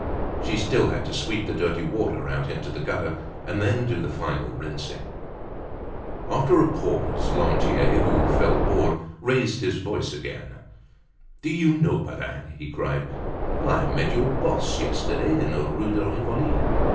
She still had to sweep the dirty water out into the gutter, and then do the final rinsing. After a pause, Lantier, who felt bored, raised his voice again: "Do you know, Badingue," he cried, "I met your boss yesterday in the Rue de Rivoli.